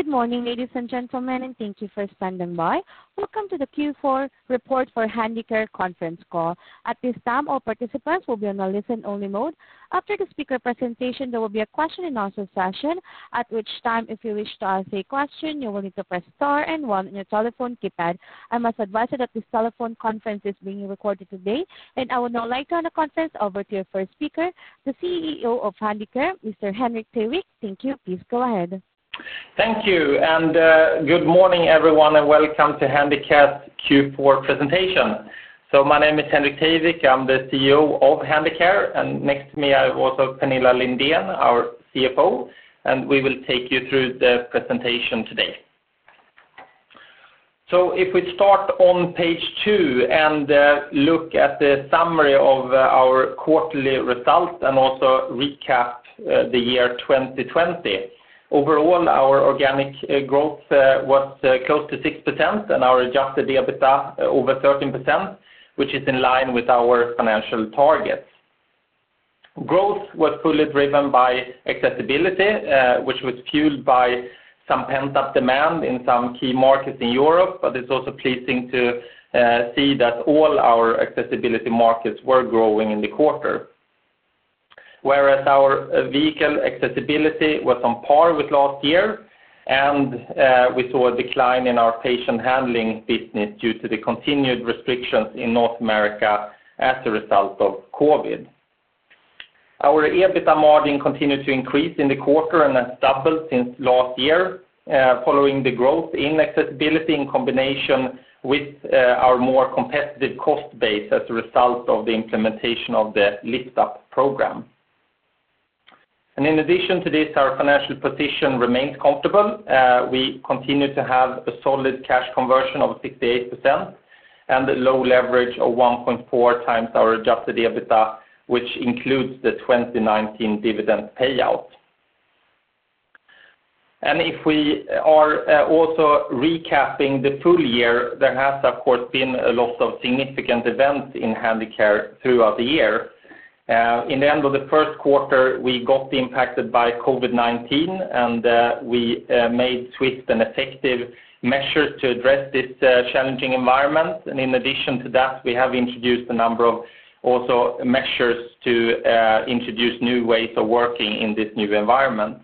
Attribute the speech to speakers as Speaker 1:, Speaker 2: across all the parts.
Speaker 1: Good morning, ladies and gentlemen, thank you for standing by. Welcome to the Q4 report for Handicare conference call. At this time, all participants will be on a listen only mode. After the speaker presentation, there will be a question and answer session, at which time, if you wish to ask a question, you will need to press star and one on your telephone keypad. I must advised that this telephone conference is being recorded today. I would now like to hand the conference over to your first speaker, the CEO of Handicare, Mr. Henrik Teiwik. Thank you. Please go ahead.
Speaker 2: Thank you. Good morning, everyone, and welcome to Handicare's Q4 presentation. My name is Henrik Teiwik, I'm the CEO of Handicare. Next to me I have also Pernilla Lindén, our CFO, and we will take you through the presentation today. If we start on page two and look at the summary of our quarterly results and also recap the year 2020. Overall, our organic growth was close to 6% and our adjusted EBITDA over 13%, which is in line with our financial targets. Growth was fully driven by accessibility, which was fueled by some pent-up demand in some key markets in Europe. It's also pleasing to see that all our accessibility markets were growing in the quarter. Whereas our vehicle accessibility was on par with last year, and we saw a decline in our patient handling business due to the continued restrictions in North America as a result of COVID. Our EBITDA margin continued to increase in the quarter and has doubled since last year, following the growth in accessibility in combination with our more competitive cost base as a result of the implementation of the Lift Up Program. In addition to this, our financial position remains comfortable. We continue to have a solid cash conversion of 68% and a low leverage of 1.4x our adjusted EBITDA, which includes the 2019 dividend payout. If we are also recapping the full year, there has, of course, been a lot of significant events in Handicare throughout the year. In the end of the first quarter, we got impacted by COVID-19. We made swift and effective measures to address this challenging environment. In addition to that, we have introduced a number of also measures to introduce new ways of working in this new environment.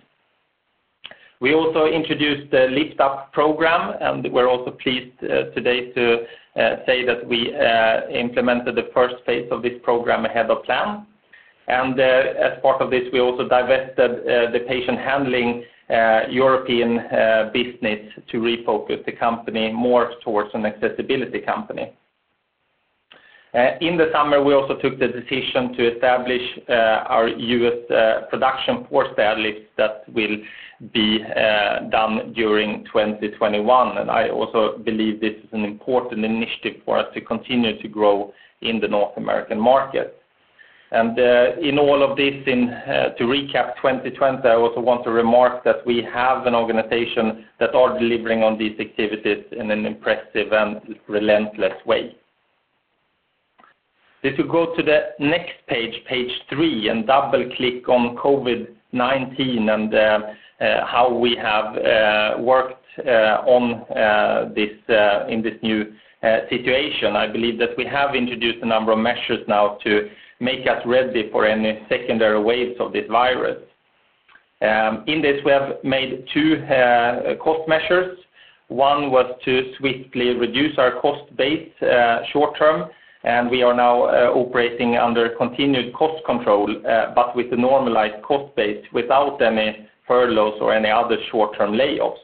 Speaker 2: We also introduced the Lift Up program. We're also pleased today to say that we implemented the first phase of this program ahead of plan. As part of this, we also divested the patient handling European business to refocus the company more towards an accessibility company. In the summer, we also took the decision to establish our U.S. production for stairlift that will be done during 2021. I also believe this is an important initiative for us to continue to grow in the North American market. In all of this, to recap 2020, I also want to remark that we have an organization that are delivering on these activities in an impressive and relentless way. If you go to the next page three, and double-click on COVID-19 and how we have worked in this new situation. I believe that we have introduced a number of measures now to make us ready for any secondary waves of this virus. In this, we have made two cost measures. One was to swiftly reduce our cost base short-term, and we are now operating under continued cost control, but with a normalized cost base without any furloughs or any other short-term layoffs.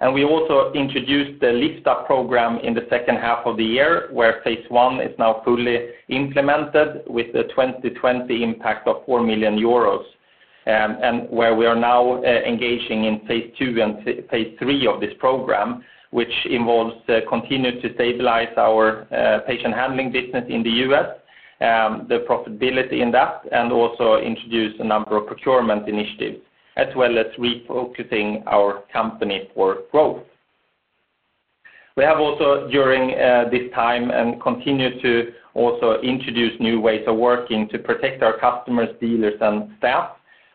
Speaker 2: We also introduced the Lift Up Program in the second half of the year, where phase one is now fully implemented with a 2020 impact of 4 million euros. Where we are now engaging in phase 2 and phase 3 of this program, which involves continuing to stabilize our patient handling business in the U.S., the profitability in that, and also introduce a number of procurement initiatives, as well as refocusing our company for growth. We have also, during this time, continued to also introduce new ways of working to protect our customers, dealers, and staff,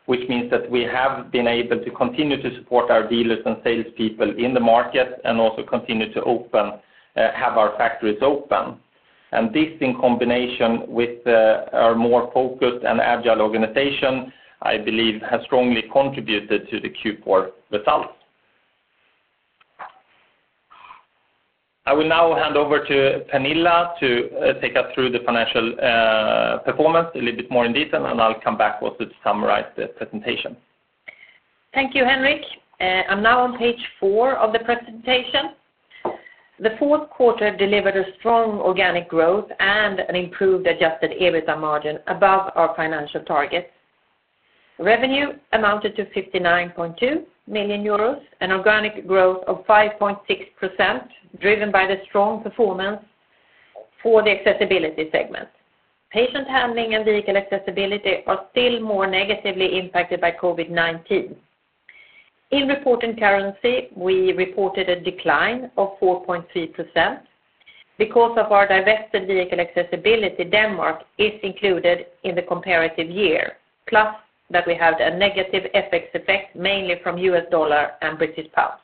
Speaker 2: which means that we have been able to continue to support our dealers and salespeople in the market and also continue to have our factories open. This, in combination with our more focused and agile organization, I believe has strongly contributed to the Q4 results. I will now hand over to Pernilla to take us through the financial performance a little bit more in detail, and I'll come back also to summarize the presentation.
Speaker 3: Thank you, Henrik. I'm now on page four of the presentation. The fourth quarter delivered a strong organic growth and an improved adjusted EBITDA margin above our financial targets. Revenue amounted to 59.2 million euros, an organic growth of 5.6%, driven by the strong performance for the Accessibility segment. Patient handling and vehicle accessibility are still more negatively impacted by COVID-19. In reported currency, we reported a decline of 4.3% because our divested Vehicle Accessibility Denmark is included in the comparative year, plus that we have a negative FX effect mainly from US dollar and British pounds.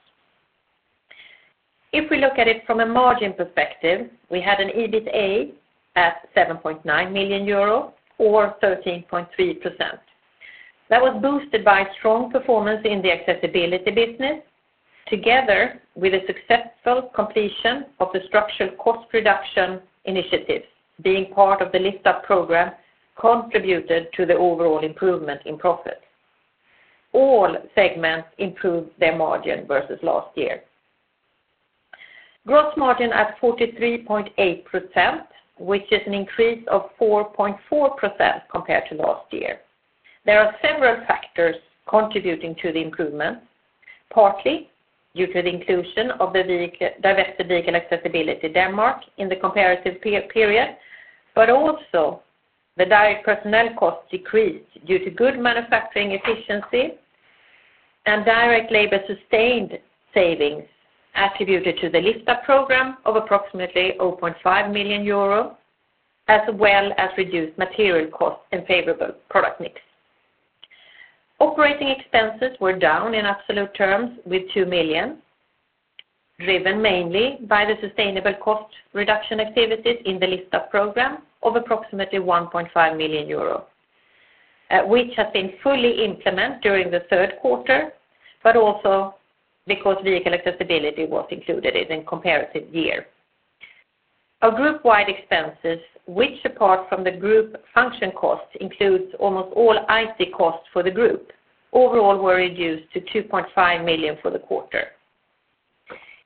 Speaker 3: If we look at it from a margin perspective, we had an EBITDA at 7.9 million euro or 13.3%. That was boosted by strong performance in the Accessibility business, together with a successful completion of the structural cost reduction initiatives, being part of the Lift Up Program contributed to the overall improvement in profit. All segments improved their margin versus last year. Gross margin at 43.8%, which is an increase of 4.4% compared to last year. There are several factors contributing to the improvement, partly due to the inclusion of the divested Vehicle Accessibility Denmark in the comparative period, but also the direct personnel costs decreased due to good manufacturing efficiency and direct labor sustained savings attributed to the Lift Up Program of approximately over 5 million euro, as well as reduced material costs and favorable product mix. Operating expenses were down in absolute terms with 2 million, driven mainly by the sustainable cost reduction activities in the Lift Up Program of approximately 1.5 million euros, which has been fully implement during the third quarter, but also because Vehicle Accessibility was included in the comparative year. Our group wide expenses, which apart from the group function costs, includes almost all IT costs for the group overall were reduced to 2.5 million for the quarter.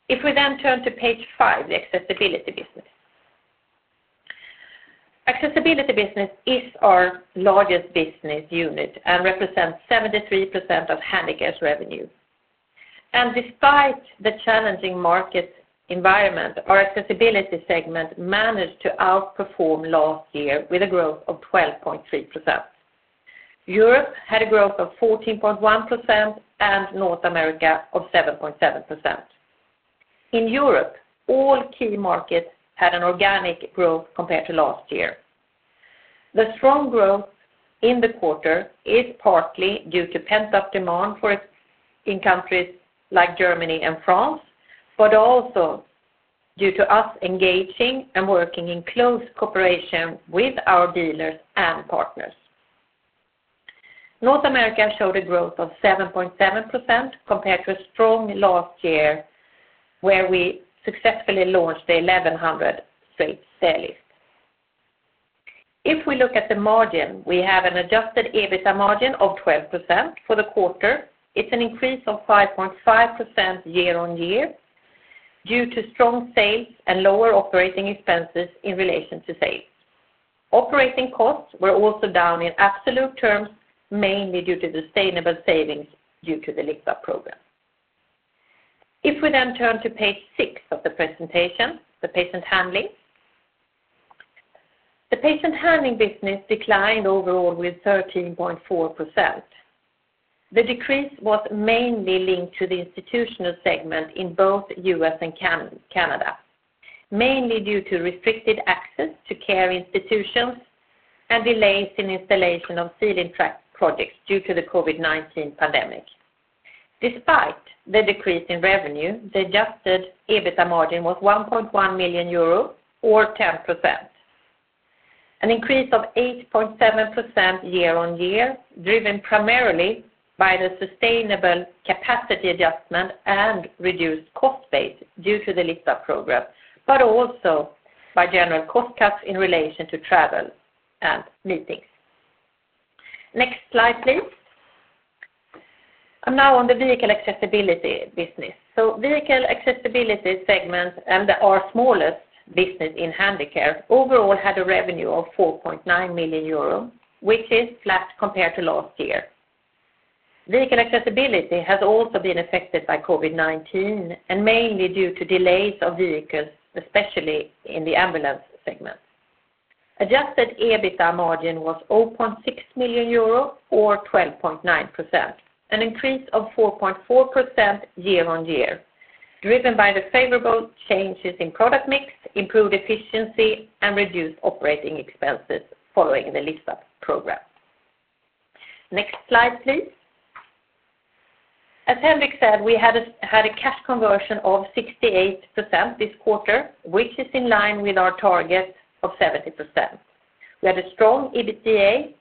Speaker 3: If we then turn to page five, the Accessibility business. Accessibility business is our largest business unit and represents 73% of Handicare's revenue. Despite the challenging market environment, our Accessibility segment managed to outperform last year with a growth of 12.3%. Europe had a growth of 14.1% and North America of 7.7%. In Europe, all key markets had an organic growth compared to last year. The strong growth in the quarter is partly due to pent-up demand in countries like Germany and France, also due to us engaging and working in close cooperation with our dealers and partners. North America showed a growth of 7.7% compared to a strong last year where we successfully launched the 1100 Straight Stairlift. If we look at the margin, we have an adjusted EBITDA margin of 12% for the quarter. It's an increase of 5.5% year-on-year due to strong sales and lower operating expenses in relation to sales. Operating costs were also down in absolute terms, mainly due to sustainable savings due to the Lift Up Program. We then turn to page six of the presentation, the Patient Handling. The Patient Handling business declined overall with 13.4%. The decrease was mainly linked to the institutional segment in both U.S. and Canada, mainly due to restricted access to care institutions and delays in installation of ceiling track projects due to the COVID-19 pandemic. Despite the decrease in revenue, the adjusted EBITDA margin was 1.1 million euro or 10%. An increase of 8.7% year-on-year, driven primarily by the sustainable capacity adjustment and reduced cost base due to the Lift Up Program, but also by general cost cuts in relation to travel and meetings. Next slide, please. I'm now on the Vehicle Accessibility Business. Vehicle Accessibility Segment and our smallest business in Handicare overall had a revenue of 4.9 million euro, which is flat compared to last year. Vehicle Accessibility has also been affected by COVID-19 and mainly due to delays of vehicles, especially in the ambulance segment. Adjusted EBITDA margin was 0.6 million euro or 12.9%, an increase of 4.4% year-on-year, driven by the favorable changes in product mix, improved efficiency and reduced operating expenses following the Lift Up Program. Next slide, please. As Henrik said, we had a cash conversion of 68% this quarter, which is in line with our target of 70%. We had a strong EBITDA,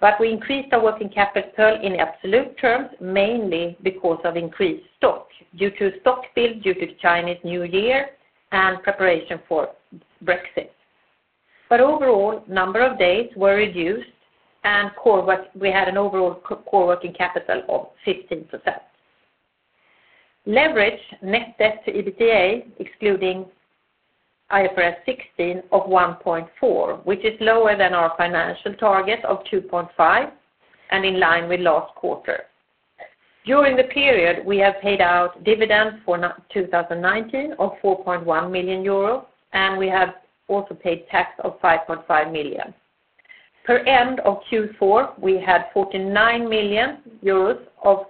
Speaker 3: but we increased our working capital in absolute terms, mainly because of increased stock due to stock build due to Chinese New Year and preparation for Brexit. Overall, number of days were reduced and we had an overall core working capital of 15%. Leverage net debt to EBITDA excluding IFRS 16 of 1.4x, which is lower than our financial target of 2.5x and in line with last quarter. During the period, we have paid out dividends for 2019 of 4.1 million euros and we have also paid tax of 5.5 million. Per end of Q4, we had 49 million euros of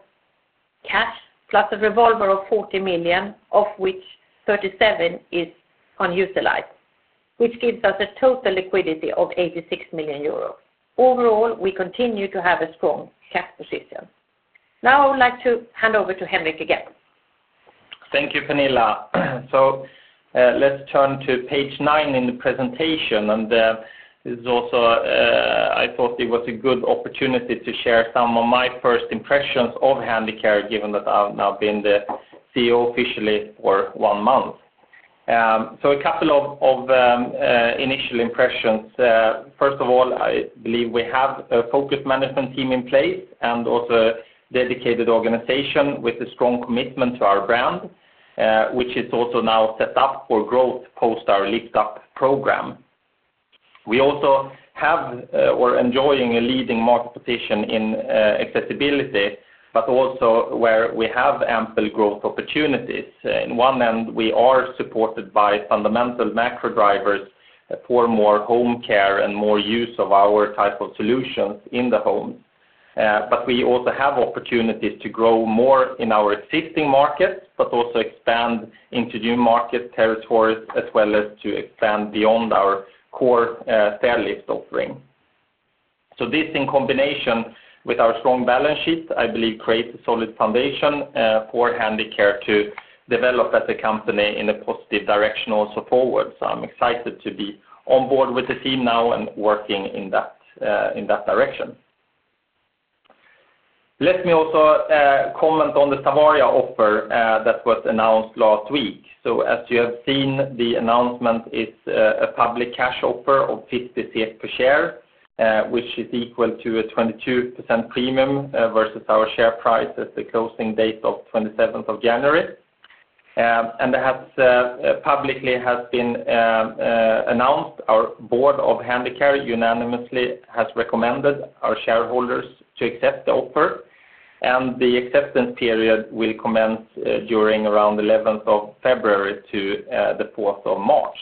Speaker 3: cash, plus a revolver of 40 million, of which 37 is unutilized, which gives us a total liquidity of 86 million euros. Overall, we continue to have a strong cash position. Now I would like to hand over to Henrik again.
Speaker 2: Thank you, Pernilla. Let's turn to page nine in the presentation. This is also, I thought it was a good opportunity to share some of my first impressions of Handicare, given that I've now been the CEO officially for one month. A couple of initial impressions. First of all, I believe we have a focused management team in place and also a dedicated organization with a strong commitment to our brand, which is also now set up for growth post our Lift Up Program. We also have or are enjoying a leading market position in accessibility, but also where we have ample growth opportunities. In one end, we are supported by fundamental macro drivers for more home care and more use of our type of solutions in the home. We also have opportunities to grow more in our existing markets, but also expand into new market territories as well as to expand beyond our core stairlift offering. This in combination with our strong balance sheet, I believe creates a solid foundation for Handicare to develop as a company in a positive direction also forward. I'm excited to be on board with the team now and working in that direction. Let me also comment on the Savaria offer that was announced last week. As you have seen, the announcement is a public cash offer of 0.50 per share, which is equal to a 22% premium versus our share price at the closing date of 27th of January. That publicly has been announced, our board of Handicare unanimously has recommended our shareholders to accept the offer. The acceptance period will commence during around the 11th of February to the 4th of March.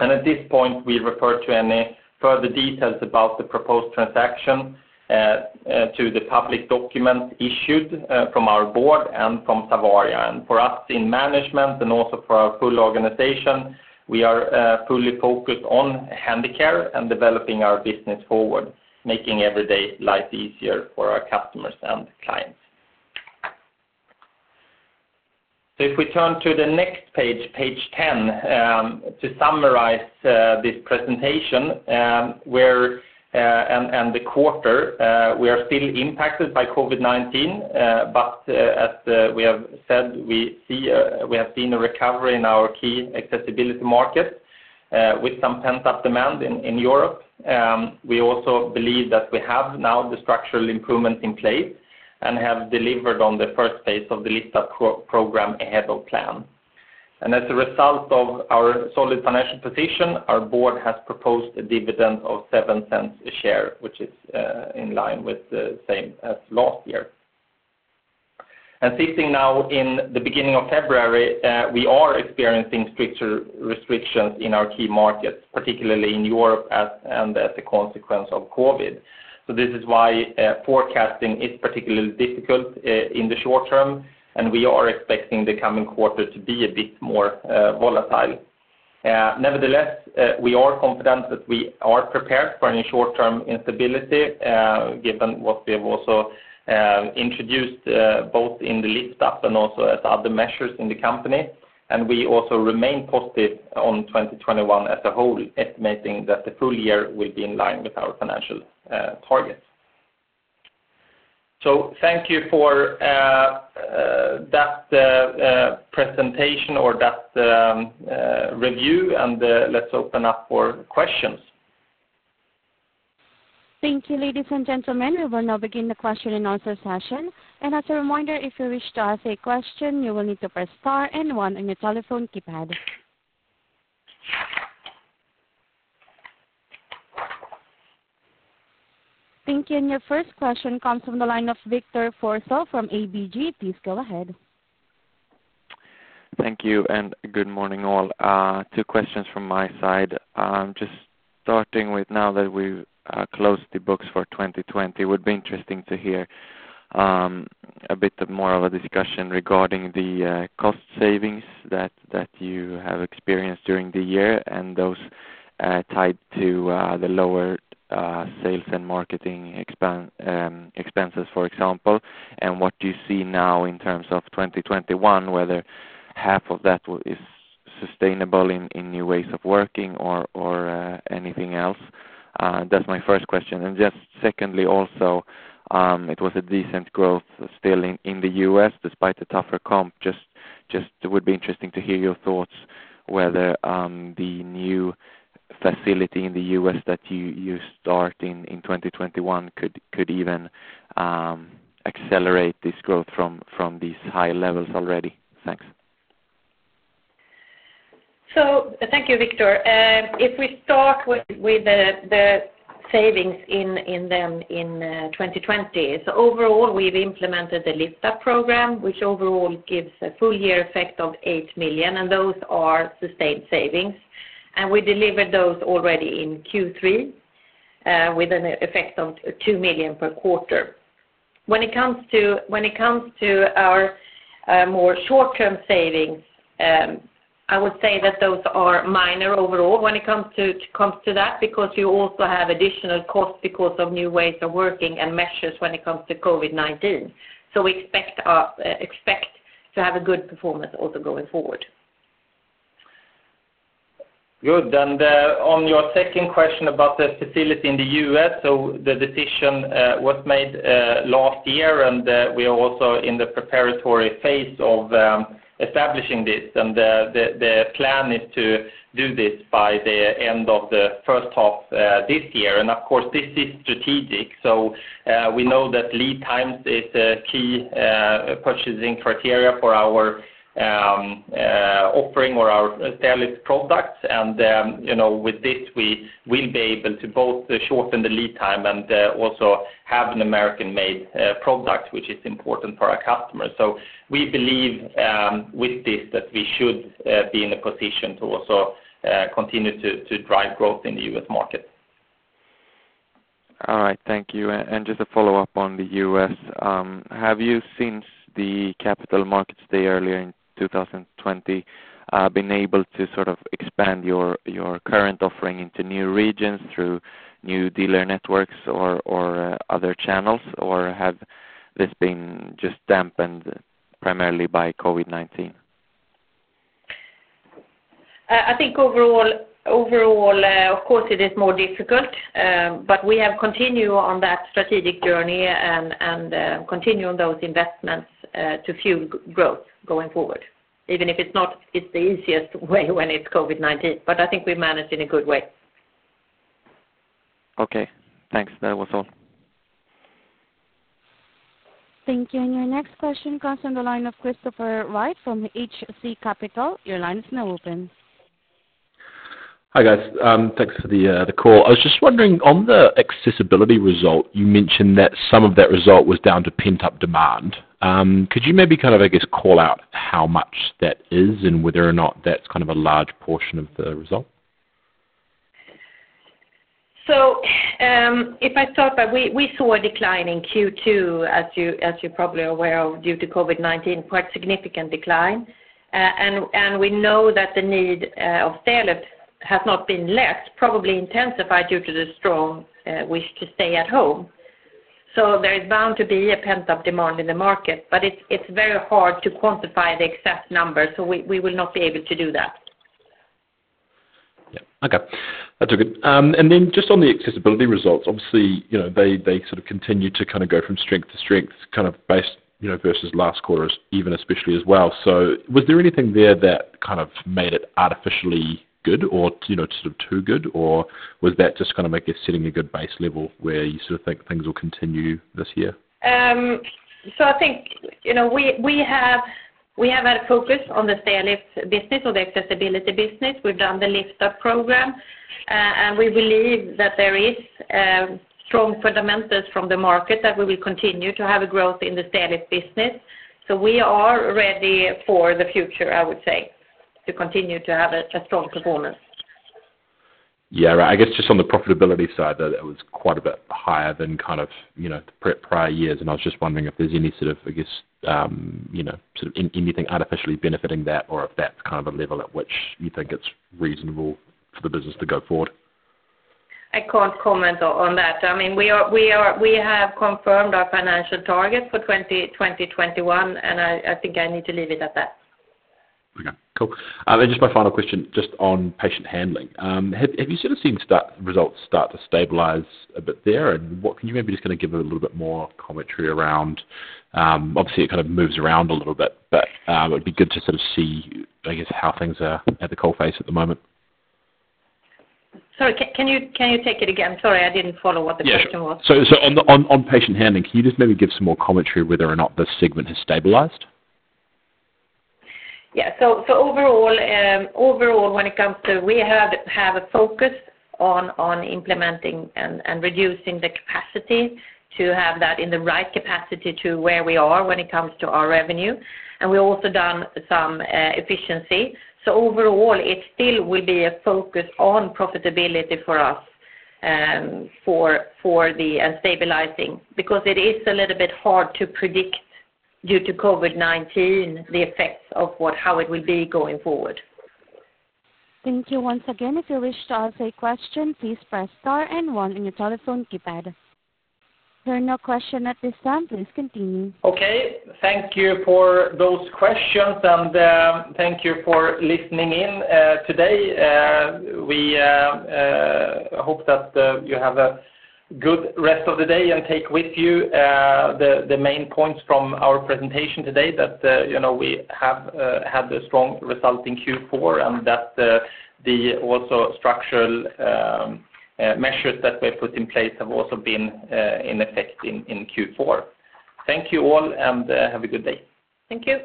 Speaker 2: At this point, we refer to any further details about the proposed transaction to the public documents issued from our board and from Savaria. For us in management and also for our full organization, we are fully focused on Handicare and developing our business forward, making everyday life easier for our customers and clients. If we turn to the next page 10, to summarize this presentation, the quarter, we are still impacted by COVID-19. As we have said, we have seen a recovery in our key accessibility markets with some pent-up demand in Europe. We also believe that we have now the structural improvement in place and have delivered on the first phase of the Lift Up Program ahead of plan. As a result of our solid financial position, our board has proposed a dividend of 0.07 a share, which is in line with the same as last year. Sitting now in the beginning of February, we are experiencing stricter restrictions in our key markets, particularly in Europe as a consequence of COVID. This is why forecasting is particularly difficult in the short term, and we are expecting the coming quarter to be a bit more volatile. Nevertheless, we are confident that we are prepared for any short-term instability given what we have also introduced both in the Lift Up and also as other measures in the company. We also remain positive on 2021 as a whole, estimating that the full year will be in line with our financial targets. Thank you for that presentation or that review, and let's open up for questions.
Speaker 1: Thank you, ladies and gentlemen. We will now begin the question and answer session. As a reminder, if you wish to ask a question, you will need to press star and one on your telephone keypad. Thank you. Your first question comes from the line of Victor Forssell from ABG. Please go ahead.
Speaker 4: Thank you and good morning all. Two questions from my side. Just starting with now that we've closed the books for 2020, would be interesting to hear a bit more of a discussion regarding the cost savings that you have experienced during the year and those tied to the lower sales and marketing expenses, for example. What do you see now in terms of 2021, whether half of that is sustainable in new ways of working or anything else? That's my first question. Just secondly, also, it was a decent growth still in the U.S. despite the tougher comp. Just would be interesting to hear your thoughts whether the new facility in the U.S. that you start in 2021 could even accelerate this growth from these high levels already. Thanks.
Speaker 3: Thank you, Victor. If we start with the savings in them in 2020. Overall, we've implemented the Lift Up Program, which overall gives a full year effect of 8 million, and those are sustained savings. We delivered those already in Q3 with an effect of 2 million per quarter. When it comes to our more short-term savings, I would say that those are minor overall when it comes to that because you also have additional costs because of new ways of working and measures when it comes to COVID-19. We expect to have a good performance also going forward.
Speaker 2: Good. On your second question about the facility in the U.S., the decision was made last year, and we are also in the preparatory phase of establishing this. The plan is to do this by the end of the first half this year. Of course, this is strategic, we know that lead times is a key purchasing criteria for our offering or our stairlift products. With this, we will be able to both shorten the lead time and also have an American-made product, which is important for our customers. We believe with this that we should be in a position to also continue to drive growth in the U.S. market.
Speaker 4: All right. Thank you. Just a follow-up on the U.S. Have you, since the capital markets day earlier in 2020, been able to sort of expand your current offering into new regions through new dealer networks or other channels? Or has this been just dampened primarily by COVID-19?
Speaker 3: I think overall, of course, it is more difficult. We have continued on that strategic journey and continued on those investments to fuel growth going forward, even if it's not the easiest way when it's COVID-19. I think we managed in a good way.
Speaker 4: Okay, thanks. That was all.
Speaker 1: Thank you. Your next question comes on the line of Christopher Wright from HC Capital. Your line is now open.
Speaker 5: Hi, guys. Thanks for the call. I was just wondering, on the accessibility result, you mentioned that some of that result was down to pent-up demand. Could you maybe kind of, I guess, call out how much that is and whether or not that's kind of a large portion of the result?
Speaker 3: If I start by, we saw a decline in Q2, as you probably are aware of, due to COVID-19, quite a significant decline. We know that the need of stairlift has not been less, probably intensified due to the strong wish to stay at home. There is bound to be a pent-up demand in the market, but it's very hard to quantify the exact numbers. We will not be able to do that.
Speaker 5: Yeah. Okay. That's all good. Just on the accessibility results, obviously, they sort of continue to kind of go from strength to strength, kind of based versus last quarter's even especially as well. Was there anything there that kind of made it artificially good or sort of too good, or was that just kind of like a setting a good base level where you sort of think things will continue this year?
Speaker 3: I think we have had a focus on the stair lift business or the accessibility business. We've done the Lift Up Program, and we believe that there is strong fundamentals from the market that we will continue to have a growth in the stairlift business. We are ready for the future, I would say, to continue to have a strong performance.
Speaker 5: Yeah. I guess just on the profitability side, that was quite a bit higher than kind of prior years, and I was just wondering if there's any sort of, I guess, anything artificially benefiting that or if that's kind of a level at which you think it's reasonable for the business to go forward?
Speaker 3: I can't comment on that. I mean, we have confirmed our financial targets for 2021, and I think I need to leave it at that.
Speaker 5: Okay, cool. Just my final question, just on patient handling. Have you sort of seen results start to stabilize a bit there? What can you maybe just kind of give a little bit more commentary around, obviously it kind of moves around a little bit, but it would be good to sort of see, I guess, how things are at the coal face at the moment.
Speaker 3: Sorry, can you take it again? Sorry, I didn't follow what the question was.
Speaker 5: Yeah, sure. On patient handling, can you just maybe give some more commentary whether or not the segment has stabilized?
Speaker 3: Overall, we have a focus on implementing and reducing the capacity to have that in the right capacity to where we are when it comes to our revenue. We've also done some efficiency. Overall, it still will be a focus on profitability for us for the stabilizing because it is a little bit hard to predict due to COVID-19, the effects of how it will be going forward.
Speaker 1: Thank you once again. If you wish to ask a question, please press star and one on your telephone keypad. There are no question at this time. Please continue.
Speaker 2: Okay. Thank you for those questions. Thank you for listening in today. We hope that you have a good rest of the day and take with you the main points from our presentation today that we have had a strong result in Q4 and that the also structural measures that were put in place have also been in effect in Q4. Thank you all. Have a good day.
Speaker 3: Thank you.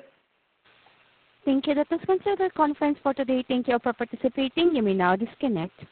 Speaker 1: Thank you. That does conclude our conference for today. Thank you for participating. You may now disconnect.